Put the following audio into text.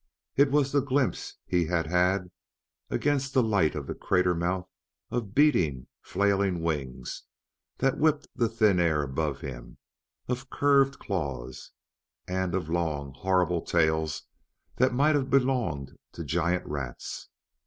It was the glimpse he had had against the light of the crater mouth of beating, flailing wings that whipped the thin air above him; of curved claws; and of long, horrible tails that might have belonged to giant rats.